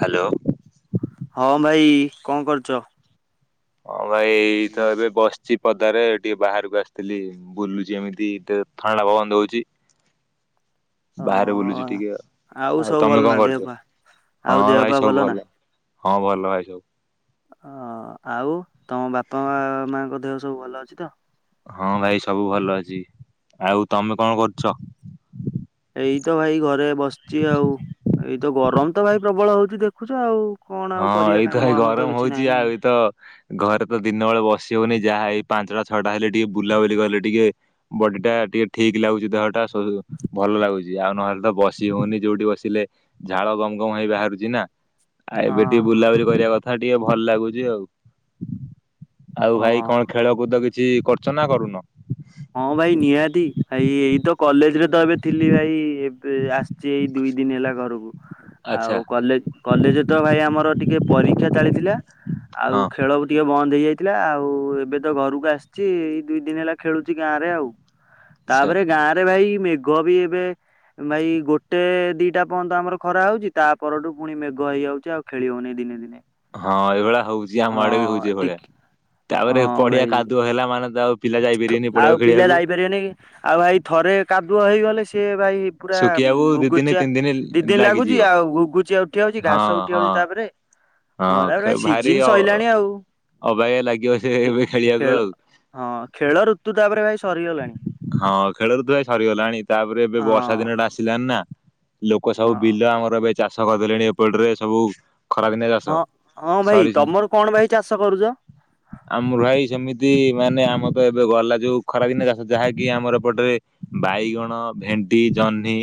Hello. ହଁ ଭାଇ କଣ କରୁଚ? ହଁ ଭାଇ ଏଇ ତ ଏବେ ବସିଚି ପଦାରେ ଟିକେ ବାହାରକୁ ଆସିଥିଲି। ବୁଲୁଚି ଏମିତି ଟିକେ ଥଣ୍ଡା ପବନ ଦଉଚି। [inaudible] ବାହାରେ ବୁଲୁଚି ହଁ ଟିକେ ଆଉ। ଆଉ ସବୁ ଭଲ ତମେ ନା କଣ ଦେହ କରୁଚ? ପା ହଁ ଆଉ ଦେହ ଭାଇ ପା ସବୁ ନା? ଭଲ। ହଁ ଭଲ ଭାଇ ସବୁ। ଓ ଆଉ ତମ ବାପା ମା ମାଙ୍କ ଦେହ ସବୁ ଭଲ ଅଛି ତ? ହଁ ଭାଇ ସବୁ ଭଲ ଅଛି ଆଉ ତମେ କଣ କରୁଛ? ଏଇ ତ ଭାଇ ଘରେ ବସିଛି ଆଉ ଏଇତ ଗରମ ତ ଭାଇ ପ୍ରବଳ ହଉଛି ଦେଖୁଛ ଆଉ। କଣ ଆଉ ହଁ କରିବା ଏଇ ତ ଏଇ କାମ ଆମ ଗରମ କିଛି ହଉଚି ନାହିଁ ଆଉ ଏଇତ। ଘରେ ତ ଦିନ ବେଳେ ବସି ହଉନି ଯାହା ଏଇ ପାଞ୍ଚଟା ଛଅଟା ହେଲେ ଟିକେ ବୁଲାବୁଲି କଲେ ଟିକେ ବଡି ଟା ଟିକେ ଠିକ୍ ଲାଗୁଛି ଦେହଟା ସ ଭଲ ଲାଗୁଛି ଆଉ ନହେଲେ ତ ବସି ହଉନି ଯୋଉଠି ବସିଲେ ଝାଳ ଗମ୍ ଗମ୍ ହେଇ ବାହାରୁଛି ନା। ଆଉ ହଁ ଏବେ ଟିକେ ବୁଲାବୁଲି କରିବା କଥା ଟିକେ ଭଲ ଲାଗୁଛି ଆଉ ଆଉ ଭାଇ ହଁ। କଣ? ଖେଳ କୁଦ କିଛି କରୁଛ ନା କରୁନ? ହଁ ଭାଇ ନିହାତି ଭାଇ ଏଇ ତ କଲେଜ୍ ରେ ତ ଏବେ ଥିଲି ଭାଇ। ଏବେ ଆସିଛି ଏଇ ଦୁଇ ଦିନି ହେଲା ଘରକୁ। ଆଉ ଆଚ୍ଛା କଲେଜ୍ କଲେଜରେ ତ ଭାଇ ଆମର ଟିକେ ପରୀକ୍ଷା ଚାଲିଥିଲା। ଆଉ ହଁ ଖେଳ [unintelligible] ଟିକେ ବନ୍ଦ ହେଇଯାଇଥିଲା ଆଉ ଏବେ ତ ଘରକୁ ଆସିଛି ଏଇ ଦୁଇ ଦିନି ହେଲା ଖେଳୁଛି ଗାଁ ରେ ଆଉ। ଆଚ୍ଛା। ତାପରେ ଗାଁରେ ଭାଇ ମେଘ ବି ଏବେ ଭାଇ ଗୋଟେ ଦିଟା ପଅନ୍ତ ଆମର ଖରା ହଉଛି ତା ପରଠୁ ପୁଣି ମେଘ ହେଇଯାଉଛି ଆଉ ଖେଳି ହଉନି ଦିନେ ଦିନେ। ହଁ ଏଇଭଳିଆ ହଉଛି ଆମଆଡେ ବି ହଁ ହଉଛି ଟିକ ଏଇଭଳିଆ ତାପରେ ପଡିଆ କାଦୁଅ ହେଲା ମାନେ ତ ଆଉ। ପିଲା ଥୁ ଯାଇପାରିବେନି ଆଉ ପଡିଆକୁ ପିଲା ଖେଳିବାକୁ ଯାଇପାରିବେନି କି ଆଉ ଭାଇ ଥରେ କାଦୁଅ ହେଇଗଲେ ସିଏ ଭାଇ। ପୁରା ଶୁଖିବାକୁ ଦି ଦିନ ଗୁଗୁଚିଆ ତିନି ଦିନ ଦି ଦିନି ଲାଗୁଛି ଲାଗିଯିବ ଆଉ ଗୁଗୁଚିଆ ଉଠି ଯାଉଛି ହଁ ଘାସ ଉଠି ହଁ ଯାଉଛି ତାପରେ। ହଁ ତାପର ହଁ ଭାଇ ଭାରି ସିଜିିନ ଅ ସଇଲାଣି ଆଉ। ଅବାଗିଆ ଲାଗିବ ସେ ଏବେ ଖେଳିବାକୁ ଖେଳ ଆଉ। ହଁ ଖେଳ ଋତୁ ତାପରେ ଭାଇ ସରିଗଲାଣି ହଁ ଖେଳ ଋତୁ ଭାଇ ସରିଗଲାଣି ତାପରେ ଏବେ ହଁ ବର୍ଷା ଦିନ ଟା। ଆସିଲାନି ନା ଲୋକ ସବୁ ହଁ ବିଲ ଆମର ଏବେ ଚାଷ କରିଦେଲେଣି ଏପଟରେ ସବୁ। ଖରାଦିନିଆ ଚାଷ ହଁ ହଁ ଭାଇ ସରି ତମର କଣ ଭାଇ ଚାଷ କରୁଛ? ଆମର ଭାଇ ସେମିତି ମାନେ ଆମ ତ ଏବେ ଗଲା ଯୋଉ ଖରା ଦିନ ଚାଷ ଯାହାକି ଆମର ଏପଟରେ ବାଇଗଣ ଭେଣ୍ଡି ଜହ୍ନି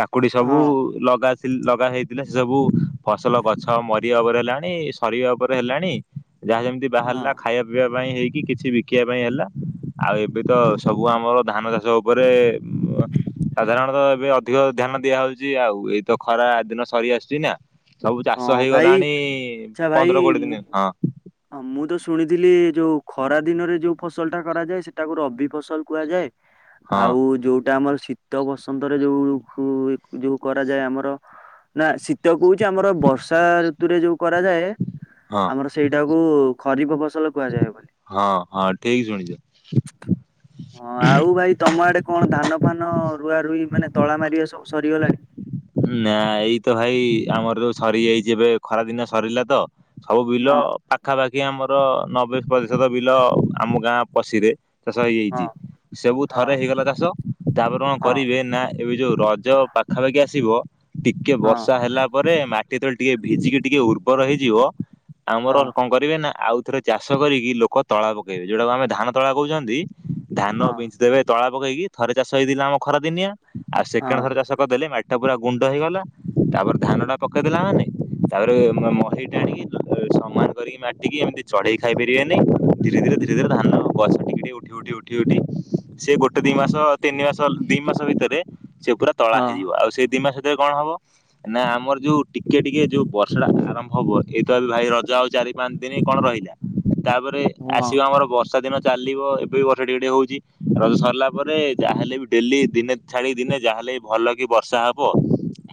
କାକୁଡି ସବୁ ହଁ ଲଗା ଥିଲ ଲଗା ହେଇଥିଲେ ସେ ସବୁ ଫସଲ ଗଛ ମରିବା ଉପରେ ହେଲାଣି ସରିବା ଉପରେ ହେଲାଣି। ଯାହା ଯେମିତି ହଁ ବାହାରିଲା ଖାଇବା ପିଇବା ପାଇଁ ହେଇକି କିଛି ବିକିବା ପାଇଁ ହେଲା। ଆଉ ଏବେ ତ ସବୁ ଆମର ଧାନ ଚାଷ ଉପରେ ଉଁ ଆଁ। ସାଧାରଣତଃ ଏବେ ଅଧିକ ଧ୍ୟାନ ଦିଆହଉଛି ଆଉ ଏଇତ ଖରା ଦିନ ସରି ଆସୁଛି ନା? ସବୁ ଚାଷ ହଁ ଭାଇ ହେଇଗଲାଣି ପନ୍ଦର କୋଡିଏ ଦିନି ହଁ। ହଁ ମୁଁ ତ ଶୁଣିଥିଲି ଯୋଉ ଖରା ଦିନରେ ଯୋଉ ଫସଲ ଟା କରାଯାଏ ସେଟାକୁ ରବି ଫସଲ କୁହାଯାଏ। ହଁ ଆଉ ଯୋଉଟା ଆମର ଶୀ ଶୀତ ବସନ୍ତରେ ଯୋଉ ହୁଏ ଯୋଉ କରାଯାଏ ଆମର ନା ଶୀତ କଉ ଚି ଆମର ବର୍ଷା ଋତୁରେ ଯୋଉ କରାଯାଏ। ହଁ। ଆମର ସେଇଟାକୁ ଖରିଫ ଫସଲ କୁହାଯାଏ ବୋଲି। ହଁ ହଁ ଠିକ୍ ଶୁଣିଛ। [inaudible] ହଁ ଆଉ ଭାଇ ତମ ଆଡେ କଣ ଧାନ ଫାନ ରୁଆ ରୁଇ ମାନେ ତଳା ମାରିବା ସବୁ ସରିଗଲାଣି? ନାଁ ଏଇ ତ ଭାଇ ଆମର ତ ସରିଯାଇଛି ଏବେ ଖରା ଦିନ ସରିଲା ତ। ସବୁ ବିଲ ହଁ ପା ପାଖାପାଖି ଆମର ନବେ ପ୍ରତିଶତ ବିଲ ଆମ ଗାଁ ପଶିରେ। ଚାଷ ହଁ ହେଇଯାଇଛି ସବୁ ହଁ ଥରେ ହେଇଗଲା ଚାଷ। ତାପରେ କଣ ହଁ କରିବେ ନା ଏବେ ଯୋଉ ରଜ ପାଖାପାଖି ଆସିବ ଟିକେ ବର୍ଷା ହେଲା ପରେ ମାଟି ତଳେ ଟିକେ ଭିଜିକି ଟିକେ ଉର୍ବର ହେଇଯିବ। ହଁ ଆମର କଣ କରିବେ ନା ଆଉଥରେ ଚାଷ କରିକି ଲୋକ ତଳା ପକେଇବେ ଯଉଟାକୁ ଆମେ ଧାନ ତଳା କହୁଛନ୍ତି। ଧାନ ହଁ ବିଞ୍ଚି ଦେବେ ତଳା ପକେଇକି ଥରେ ଚାଷ ହେଇଥିଲା ଆମ ଖରା ଦିନିଆଁ ଆଉ ସେକେଣ୍ଡ ହଁ ଥରେ ହଁ। ଚାଷ ଦେଲେ ମାଟି ଟା ପୁରା ଗୁଣ୍ଡ ହେଇଗଲା ତାପରେ ଧାନ ଟା ପକେଇଦେଲା ମାନେ ତାପରେ ମ ମହି ଟାଣିକି ଯୋ ସମାନ କରିକି ମାଟିକି ଏମିତି ଚଢେଇ ଖାଇ ପାରିବେନି। ଧୀରେ ଧୀରେ ଧୀରେ ଧରେ ଧାନ ଗଛ ଟିକେ ଟିକେ ଉଠି ଉଠି ଉ ଡିଉଟି ସିଏ ଗୋଟେ ଦି ଓ ମାସ ତିନି ମାସ ଦି ମାସ ଭିତରେ ସେ ପୁରା ତଳା ହଁ ହେଇଯିବ ଆଉ ସେଇ ଦି ମାସରେ ଭିତରେ କଣ ହବ? ନା ଆମର ଯୋଉ ଟିକେ ଟିକେ ଯୋଉ ବର୍ଷା ଟା ଆରମ୍ଭ ହବ ଏଇତ ଏବେ ଭାଇ ରଜ ଆଉ ଚାରି ପାଞ୍ଚ ଦିନ କଣ ରହିଲା ତାପରେ ହଁ ଆସିବ ଆମର ବସ ବର୍ଷା ଦିନ ଚାଲିବ ଏବେ ବି ବର୍ଷା ଟିକେ ଟିକେ ହଉଛି ରଜ ସରିଲା ପରେ ଯାହା ହେଲେ ବି ଡେଲି ଦିନେ ଛାଡିକି ଦିନେ ଯାହାହେଲେ ବି ଭଲ କି ବର୍ଷା ହବ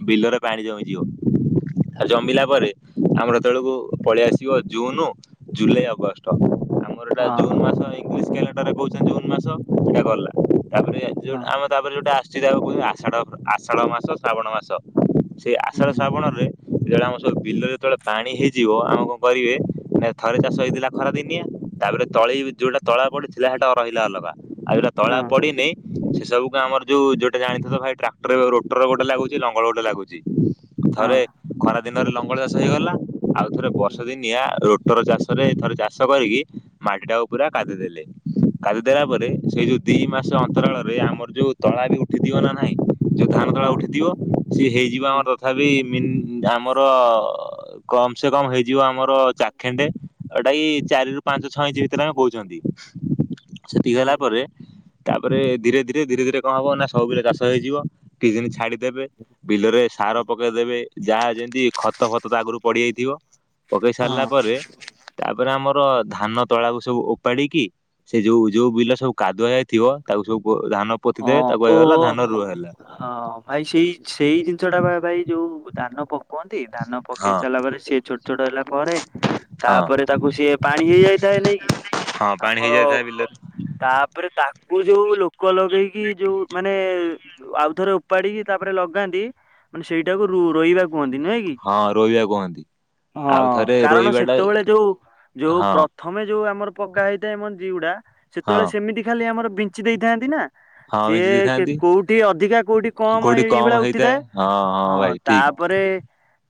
ବିଲରେ ପାଣି ଜମିଯିବ। ଆଉ ଜମିଲା ପରେ ଆମର ହେତଳକୁ ପଳେଇ ଆସିବ ଜୁନୁ ଜୁଲାଇ ଅଗଷ୍ଟ। ଆରଟା ଜୁନ୍ ହଁ ମାସ ଇଂଲିସ୍ କ୍ୟାଲେଣ୍ଡର ରେ କହୁଛେ ଜୁନ୍ ମାସ ସେଇଟା ଗଲା ତାପରେ ଯୋଉଟା ହଁ ଆମ ତାପରେ ଯୋଉଟା ଆଶୁଛି ତାକୁ କହୁଛନ୍ତି ଆଷାଢ଼ ଆଷାଢ଼ ମାସ ଶ୍ରାବଣ ମାସ ସେଇ ହୁଁ ଆଷାଢ଼ ଶ୍ରାବଣରେ [unintelligible] ଯୋଉ ବିଲ ଯେତେବେଳେ ପାଣି ହେଇଯିବ ଆମ କଣ କରିବେ ନା ଥରେ ଚାଷ ହେଇଥିଲା ଖରା ଦିନିଆ ତାପରେ ତଳି ଯୋଉଟା ତଳା ପଡ଼ିଥିଲା ହେଟା ରହିଲା ଅଲଗା। ଆଉ ଜଉଟା ତଳା ହଁ ପଡ଼ିନି ସେ ସବୁକୁ ଆମର ଯୋଉ ଯଉଟାରେ ଆଣିଥିଲ ଭାଇ ଟ୍ରାକ୍ଟର ର ଟ୍ର ଗୋଟେ ଲାଗୁଛି ଲଙ୍ଗଳ ଗୋଟେ ଲାଗୁଛି ହଁ। ଥରେ ଖରା ଦିନରେ ଲଙ୍ଗଳ ଚାଷ ହେଇଗଲା ଆଉ ଥରେ ବର୍ଷ ଦିନିଆ ରୋ ଟୋର ଚାଷରେ ଥରେ ଚାଷ କରିକି ମାଟିଟାକୁ ପୁରା କାଦି ଦେେଲେ କାଦି ଦେଲା ପରେ ସେଇ ଯୋଉ ଦି ମାସ ଅନ୍ତରାଳରେ ଆମର ଯୋଉ ତଳା ବି ଉଠିଥିବ ନା ନାଇଁ ଯୋଉ ଧାନ ତଳା ହଁ ଉଠିଥିବ ସିଏ ହେଇଯିବ ଆମର ତଥାପି ମିନି ଆମର କମ୍ ସେ କମ୍ ହେଇଯିବ ଆମର ଚାଖେଣ୍ଡେ ଏଟା କି ଚାରି ରୁ ପାଞ୍ଚ ଛଅ ଇଞ୍ଚ ସେତେ ନାଖେ କହୁଛନ୍ତି ସେତିକି ହଁ ହେଲା ପରେ ତାପରେ ଧୀରେ ଧୀରେ ଧୀରେ ଧୀରେ କଣ ହବ ନା ସବୁ ବିଲ ଚାଷ ହେଇଯିବ। କିଛିଦିନ ଛାଡ଼ିଦେବେ ବିଲରେ ସାର ପକେଇଦେବେ ଯାହା ଯେମିତି ଖତ ଫତ ତ ଆଗରୁ ପଡ଼ିଯାଇଥିବ ପକେଇ ସାରିଲା ହଁ। ପରେ ତାପରେ ଆମର ଧାନ ତଳାକୁ ସବୁ ଓପାଡ଼ିକି ସେ ଯୋଉ ଯୋଉ ବିଲ ସବୁ କାଦୁଆ ହେଇ ଥିବ ତାକୁ ସବୁ ଧାନ ପୋତି ହଁ ଦେବେ ତାକୁ ହେଇଗଲା ଓହୋ। ଧାନ ରୁଅ ହେଲା। ହଁ ଭାଇ ସେଇ ସେଇ ଜିନିଷ ଟା ବା ଭାଇ ଯୋଉ ଧାନ ପ କୁହନ୍ତି ଧାନ ପକେଇ ହଁ ସାରିଲା ପରେ ସିଏ ଛୋଟ ଛୋଟ ହେଲା ପରେ ହଁ। ତାପରେ ତାକୁ ସିଏ ପାଣି ହେଇଯାଇଥାଏ ନେଇକି ହଁ ପାଣି ହେଇଯାଇଥାଏ ବିଲେରେ ତାପରେ ତାକୁ ଯୋଉ ଲୋକ ଲ ଗେଇକି ଯୋଉ ମାନେ ଆଉଥର ଉପାଡ଼ିକି ତାପରେ ଲଗାନ୍ତି ମାନେ ସେଇଟାକୁ ରୁ ରୋଇବା କୁହନ୍ତି ନୁହେଁ କି? ହଁ ରୋଇବା କୁହନ୍ତି ହଁ ଆଉ ଥରେ କାରଣ ରୋଇବା ଟା ସେତେବେଳେ ଯୋଉ ଯୋଉ ହଁ ପ୍ର ଥମେ ଯୋଉ ଆମର ପଗା ହେଇଥାଏ ମଞ୍ଜି ଗୁଡ଼ା ସେତେବେଳେ ହଁ ସେମିତି ଖାଲି ଆମର ବିଞ୍ଚି ଦେଇଥାନ୍ତି ନା ହଁ ବିଞ୍ଚି ସିଏ ଦେଇଥାନ୍ତି କୋଉଠି ଅଧିକା କୋଉଠି କମ କୋଉଠି ଏଇ ଭଳିଆ ହେଇଥାଏ ଉଠିଥାଏ ହଁ ଭାଇ ହଁ ତା ଠିକ ତାପରେ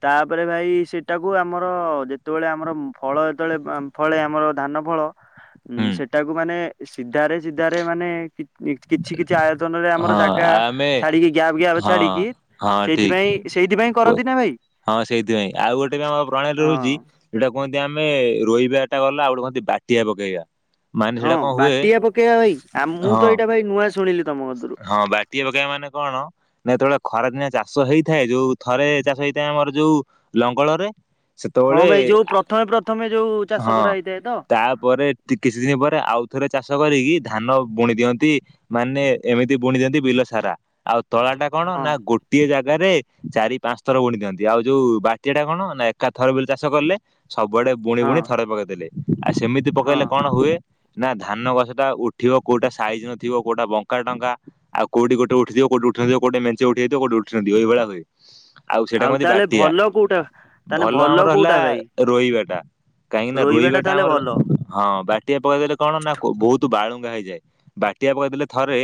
ତାପରେ ଭାଇ ସେଟାକୁ ଆମର ଯେତେବେଳେ ଆମର ଫଳ ଯେତେବେଳେ ଫଳେ ଆମର ଧାନ ଫଳ ଉ ହୁଁ ସେଟାକୁ ମାନେ ସିଧାରେ ସିଧାରେ ମାନେ କିଛି କିଛି ଆୟୋଜନ ରେ ଆମର ହଁ ଜାଗା ଆମେ ଛାଡ଼ିକି ଗ୍ୟାପ୍ ଗ୍ୟାପ୍ ହଁ ଛାଡ଼ିକି ହଁ ଠିକ ସେଇଥିପାଇଁ ସେଇଥିପାଇଁ କରନ୍ତି ନା ଭାଇ? ହଁ ସେଇଥିପାଇଁ ଆଉ ଗୋଟେ ବି ଆମ ପ୍ରଣାଳୀ ରହୁଛି ହଁ। ସେଉଟା କୁହନ୍ତି ଆମେ ରୋଇବାଟା ଗଲା ଆଉ ଗୋଟେ କୁହନ୍ତି ବାଟିଆ ପକେଇବା ମାନେ ହଁ ସେଇଟା କଣ ହୁଏ ବାଟିଆ ପକେଇବା ଭାଇ ଆ ମୁଁ ହଁ ତ ଏଇଟା ଭାଇ ନୂଆ ଶୁଣିଲି ତମ କତୁରୁ ହଁ ବାଟି ପକେଇବା ମାନେ କଣ? ନେ ଯେତେବେଳେ ଖରାଦିନିଆ ଚାଷ ହେଇଥାଏ ଯୋଉ ଥରେ ଚାଷ ହେଇଥାଏ ଆମର ଯୋଉ ଲଙ୍ଗଳରେ ହଁ ସେତେବେଳେ ଭାଇ ଯୋଉ ପ୍ରଥମେ ପ୍ରଥମେ ଯୋଉ ଚାଷ ହଁ କରାହେଇଥାଏ ତ ତାପରେ କିଛି ଦିନ ପରେ ଆଉଥରେ ଚାଷ କରିକି ଧାନ ବୁଣି ଦିଅନ୍ତି ମାନେ ଏମିତି ବୁଣି ଦିଅନ୍ତି ବିଲ ସାରା ଆଉ ତଳା ଟା କଣ ହଁ ନା ଗୋ ଗୋଟିଏ ଜାଗାରେ ଚାରି ପାଞ୍ଚ ଥର ବୁଣି ଦିଅନ୍ତି ଆଉ ଯୋଉ ବାଟିଆ ଟା କଣ ନା ଏକା ଥର ବିଲ ଚାଷ କଲେ ସବୁଆଡ଼େ ବୁଣି ହଁ ବୁଣି ଥରେ ପକେଇଦେଲେ ଆଉ ସେମିତି ହଁ। ପକେଇଲେ କଣ ହୁଏ? ନା ଧାନ ଗଛଟା ଉଠିବ କୋଉଟା ସାଇଜ୍ ନଥିବ କୋଉଟା ବ କା ଟଙ୍କା ଆଉ କୋଉଠି ଗୋଟେ ଉଠିଥିବ କୋଉଠି ଉଠିନଥିବ କୋଉଠି ମେଞ୍ଚେ ଉଠିଯାଇଥିବ କୋଉଠି ଉଠିନଥିବ ଏଇ ଭଳିଆ ହୁଏ। ଆଉ ସେଟାକୁ କହନ୍ତି ତାହେଲେ ବାଟିଆ ଭଲ କୋଉଟା ତାହେଲେ ଭଲ ଆମର ହେଲା କୋଉଟା ଭାଇ ରୋଇବାଟା। କାହିଁକି ନା ରୋଇବା ଟା ରୋଇବାଟା ତାହେଲେ ଆମର ଭଲ। ହଁ ବାଟିଆ ପକେଇଦେଲେ କଣ ନା କୋ ବୋହୁତ ବାଳୁଙ୍ଗା ହେଇଯାଏ ବାଟିଆ ପକେଇଦେଲେ ଥରେ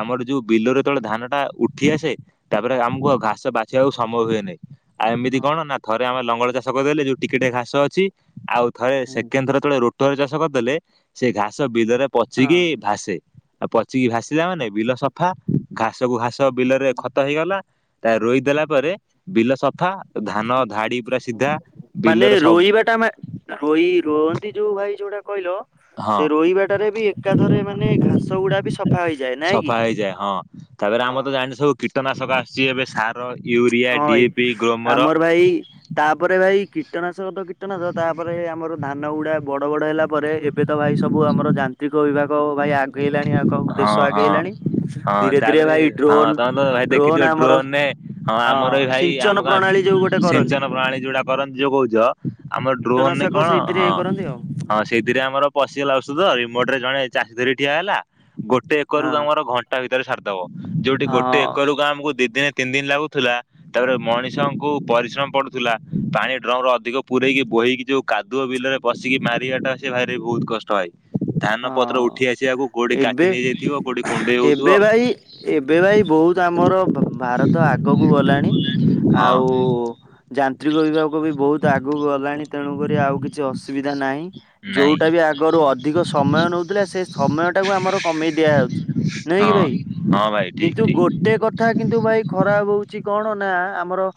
ଆମର ଯୋଉ ବିଲରେ ଯେତେବେଳେ ଧାନଟା ଉଠି ଆସେ ତାପରେ ଆମୁକୁ ଆଉ ଘାସ ବାଛିବାକୁ ସମୟ ହୁଏ ନେଇଁ। ଆଉ ଏମିତି ହଁ କଣ ନା ଥରେ ଆମେ ଲଙ୍ଗଳ ଚାଷ କରିଦେଲେ ଏଇ ଯୋଉ ଟିକେ ଟିକେ ଘାସ ଅଛି ଆଉ ଥରେ ହଁ। ସେକେଣ୍ଡ ଥର ଯେତେବେଳେ ରୋଟରରେ ଚାଷ କରିଦେଲେ ସେ ଘାସ ବିଲରେ ପଚିକି ଭାସେ ଆଉ ପଚିକି ଭାସିଲା ମାନେ ବିଲ ସଫା ଘାସ କୁ ଘାସ ବିଲରେ ଖତ ହେଇଗଲା ତାପରେ ରୋଇଦେଲା ପରେ ବିଲ ସଫା ଧାନ ଧାଡି ପୁରା ସିଧା ବିଲରେ ସବୁ ତ ଏଟା ଆମେ ରୋଇ ରୁଅନ୍ତି ଯୋଉ ଭାଇ ଯୋଉଟା କହିଲ ହଁ ସେ ରୋଇବାଟାରେ ବି ଏକାଥରେ ମାନେ ଘାସଗୁଡା ବି ସଫା ହୋଇଯାଏ ନାଆଁ କି? ସଫା ହେଇଯାଏ ହଁ। ତାପରେ ହଁ। ଆମର ତ ଜାଣିଛ ସବୁ କୀଟନାଶକ ଆସୁଚି ଏବେ ସାର ୟୁରିଆ, ହଁ ଭାଇ ଡିଏପି, ଗ୍ରୋମର। ଆମର ଭାଇ ତାପରେ ଭାଇ କୀଟନାଶକ ତ କୀଟନାଶ ତାପରେ ଆମର ଧାନଗୁଡା ବଡ ବଡ ହେଲା ପରେ ଏବେ ତ ଭାଇ ସବୁ ଆମର ଯାନ୍ତ୍ରିକ ବିଭାଗ ଭାଇ ଆ ଗେଇଲାଣି ଆଉ କଁ ହଁ ଦେଶ ହଁ ଆଗେଇଲାଣି ହଁ ଧୀରେ ଧୀରେ ତାପରେ ଭାଇ ହଁ ଡ୍ରୋନ୍ ତମେ ତ ଭାଇ ଦେଖିଥିବ ଡ୍ରୋନ୍ ଆମର ଡ୍ରୋନରେ ହଁ ଆମର ବି ଭାଇ ସିଞ୍ଚନ ଆମ ଗାଁ ପ୍ରଣାଳୀ ଯୋଉ ଗୋଟେ କରନ୍ତି ସିଞ୍ଚନ ପ୍ରଣାଳୀ ଯୋଉଟା କରନ୍ତି ଯୋଉ କୋଉଚ ଆମର ଡ୍ରୋନରେ କୀଟନାଶକ କଣ ସେଇଥିରେ ହଁ। ଇଏ କରନ୍ତି ଆଉ ହଁ ସେଇଥିରେ ଆମର ପଶିଗଲା ଓଷଦ ରିମୋଟରେ ଜଣେ ଚାଷୀ ଧରିକି ଠିଆ ହେଲା ଗୋଟେ ହଁ ଏକରକୁ ଆମର ଘନ୍ ଟା ଭିତରେ ସାରିଦବ ଯୋଉଠି ହଁ ଗୋଟେ ଏକରକୁ ଆମକୁ ଦି ଦିନି ତିନ ଦିନ ଲାଗୁଥୁଲା ତାପରେ ମଣିଷଙ୍କୁ ପରିଶ୍ରମ ପଡୁଥୁଲା ପାଣି ଡ୍ରମରୁ ଅଧିକ ପୁରରେଇକି ବୋହିକି ଯୋଉ କାଦୁଅ ବିଲରେ ପଶିକି ମାରିବାଟା ସିଏ ଭାରି ବୋହୁତ୍ କଷ୍ଟ ଭାଇ ଧାନ ପତ୍ର ଉ ହଁ ଉଠି ଆସିଆକୁ କୋଉଠି କାଟି ଏବେ ନେଇଯାଇଥିବ କୋଉଠି କୁଣ୍ଡେଇ ହୋଉଥୁବ। ତ ଆମର ଭ୍-ଭାରତ ଆଗକୁ ଗଲାଣି ହଁ ଆଉ ଯାନ୍ତ୍ରିକ ବିଭାଗକୁ ବି ବୋହୁତ୍ ଆଗକୁ ଗଲାଣି ତେଣୁକରି ଆଉ କିଛି ଅସୁବିଧା ନାହିଁ। ଯୋଉଟା ନାଇଁ। ବି ଆଗରୁ ଅଧିକ ସମୟ ନୋଉଥୁଲେ ସେ ତେ ସମୟଟାକୁ ଆମର କମେଇ ଦିଆଯାଉଚି ନୁହେଁ କି ହଁ ଭାଇ ହଁ ଭାଇ ଠିକ କିନ୍ତୁ ଠିକ ଗୋଟେ କ କଥା କିନ୍ତୁ ଭାଇ ଖରାପ୍ ହୋଉଚି କଣ ନା ଆମର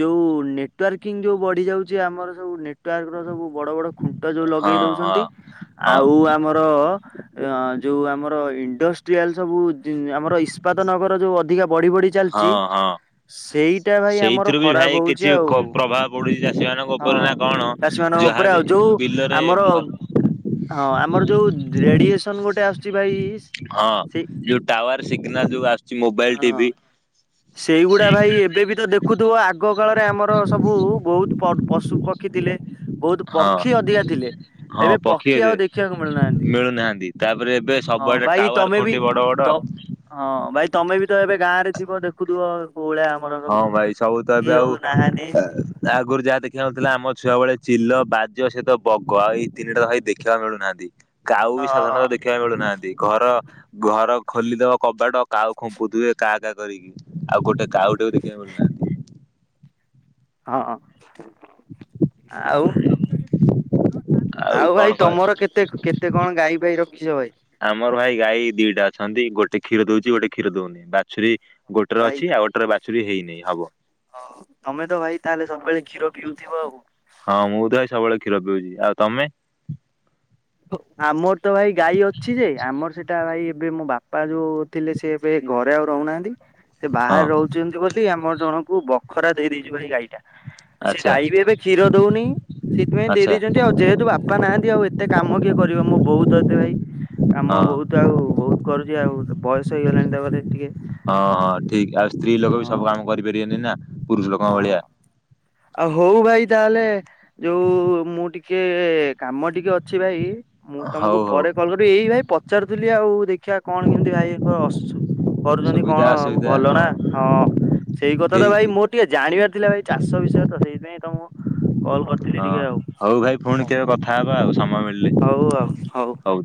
ଯୋଉ ନେଟୱାର୍କିଂ ଯୋଉ ବଢିଯାଉଚି ଆମର ସବୁ ନେଟୱାର୍କର ସବୁ ବଡ ବଡ ଖୁଣ୍ଟ ଯୋଉ ଲଗେଇ ହଁ ହଁ ଦୋଉଚନ୍ତି ହଁ ଆଉ ଆ ମର ଅ ଯୋଉ ଆମର ଇଣ୍ଡଷ୍ଟ୍ରିଆଲ ସବୁ ଜିନ୍ ଆମର ଇ ଇସ୍ପାତ ନଗର ଯୋଉ ଅଧିକା ବଢି ବଢି ଚାଲ ହଁ ହଁ। ସେଇଟା ଭାଇ ଆମର ସେଇଥିରୁ ବି ଭାଇ ଖରାପ ହୋଉଚି କିଛି ଆଉ କ ପ୍ରଭାବ ପଡୁଛି ଚାଷୀ ମାନଙ୍କ ହଁ। ଉପରେ ନା କଣ ଚାଷୀମାନଙ୍କ ଓପରେ ଯାହାବି ଆଉ ଯୋଉ ବିଲରେ ଆମର ହଁ ଆମର ଯୋଉ ଉ ରେଡିଏସନ୍ ଗୋଟେ ଆସୁଚି ଭାଇ ସ୍ ହଁ ଯୋଉ ଟାୱାର ସିଗ୍ନାଲ୍ ଯୋଉ ଆସୁଚି ମୋବାଇଲ୍ ହଁ ଟିଭି ସେଇଗୁଡା ଭାଇ ଏ ଏବେ ବି ତ ଦେଖୁଥୁବ ଆଗ କାଳରେ ଆମର ସବୁ ବୋହୁତ୍ ପ-ପଶୁ ପକ୍ଷୀ ଥିଲେ। ବୋହୁତ୍ ହଁ ପକ୍ଷୀ ଅଧିକା ଥିଲେ ଏବେ ପକ୍ଷୀ ଆଉ ଦେଖିବାକୁ ମିଳୁନାହାନ୍ତି ମିଳୁନାହାଁନ୍ତି ତାପରେ ଏବେ ହଁ ସବୁଆଡେ ଭାଇ ଟାୱାର୍ ତମେ ବି ଖୁଣ୍ଟି ବଡ ତ ବଡ ହଁ ଭାଇ ତମେ ବି ତ ଏବେ ଗାଁରେ ଥିବ ଦେଖୁଥୁବ ହଁ ଭାଇ ସବୁ ତ ଏବେ ଆଉ ନାହାନ୍ତି। ତା ଆଗରୁ ଯାହା ଦେଖିବାକୁ ମିଳଥୁଲା ଆମ ଛୁଆ ବେଳେ ଚିଲ, ବାଜ ସେ ତ ବଗ ଆଉ ଏଇ ତିନିଟା ତ ଭାଇ ଦେଖିଆକୁ ମିଳୁନାହାଁନ୍ତି। କାଉ ବି ସାଧାରଣତ ଦେଖିବାକୁ ମିଳୁନାହାଁନ୍ତି ଘର ଘର ଖୋଲିଦବ କବାଟ କାଉ ଖୁମ୍ପୁଥିବେ କାଆ କାଆ କରିକି ଆଉ ଗୋଟେ କାଉ ତାକୁ ଦେଖିବାକୁ ଗଲୁନା। ହଁ। ଆଉ ଆଉ କଣ ଭାଇ କହ ତମର କେତେ କେତେ କଣ ଗାଈ ଗଈ ପାଇ ରଖିଛ ଭାଇ? ଆମର ଭାଇ ଗାଈ ଦିଟା ଅଛନ୍ତି ଗୋଟେ କ୍ଷୀର ଦଉଚି ଗୋଟେ କ୍ଷୀର ଦଉନି ବାଛୁରୀ ଗୋଟେରେ ଅଛି ଆଉ ଗୋଟେରେ ବାଛୁରୀ ହେଇନି ହବ। ହଁ ତମେ ତ ଭାଇ ତାହେଲେ ସବୁବେଳେ କ୍ଷୀର ପିଉଥିବ ଆଉ। ହଁ ମୁଁ ତ ଭାଇ ସବୁବେଳେ କ୍ଷୀର ପିଉଚି ଆଉ ତମେ? ଆମର ତ ଭାଇ ଗାଈ ଅଛି ଯେ ଆମର ସେଟା ଭାଇ ଏବେ ମୋ ବାପା ଯୋଉ ଥିଲେ ସେ ଏବେ ଘରେ ଆଉ ରହୁନାହାନ୍ତି। ସେ ହଁ ବାହାରେ ରହୁଚନ୍ତି ବୋଲି ଆମର ଜଣଙ୍କୁ ବଖରା ଦେଇଦେଇଚୁ ଭାଇ ଗାଈ ଟା। ସେ ଆଚ୍ଛା ଗାଈ ବି ଏବେ କ୍ଷୀର ଦଉନି ସେଇଥିପାଇଁ ଆଚ୍ଛା ଦେଇେଇଚନ୍ତି ଆଉ ଯେହେତୁ ବାପା ନାହାନ୍ତି ଆଉ ଏ ଏତେ କାମ କିଏ କରିବ ମୋ ବୋଉ ତ ଏତେ ଭାଇ କାମ ହଁ ବହୁତ ଆଉ ବହୁତ୍ କରୁଚି ଆଉ ବୟସ ହେଇଗଲାଣି ତାପରେ ଟିକେ ହଁ ହଁ ଠିକ ଆଉ ସ୍ତ୍ରୀ ଲୋକ ବି ହଁ ସବୁ କାମ କରିପାରିବେନି ନା। ପୁରୁଷ ଲୋକଙ୍କ ହଁ ଭଳିଆ ଆଉ ହଉ ଭାଇ ତାହେଲେ ଯୋଉ ମୁଁ ଟି କେ କାମ ଟିକେ ଅଛି ଭାଇ। ମୁଁ ହଉ ତମକୁ ହଉ ପରେ କଲ୍ କରିବି ଏଇ ଭାଇ ପଚାରୁଥିଲି ଆଉ ଦେଖିବା କଣ କେମିତି ଭାଇ କ ଅସୁଛ। କରୁଚନ୍ତି କଣ ସୁବିଧା ଆଉ ଅସୁବିଧା ଭଲ ନା ହଁ ସେଇ କଥା ତ ଠିକ ଭାଇ ଠିକ ମୋର ଟିକେ ଜାଣିବାର ଥିଲା ଭାଇ ଚାଷ ବିଷୟରେ ତ ସେଥିପାଇଁ ତମ କଲ କରିଥିଲି ଟିକେ ଆଉ ହଁ ହଉ ଭାଇ ପୁଣି ହଉ କେବେ କଥା ହବା ଆଉ ସମୟ ମିଳିଲେ ହଉ ଆଉ ହଉ।